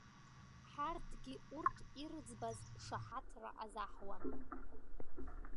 Ҳаргьы урҭ ирӡбаз шаҳаҭра азаҳуан.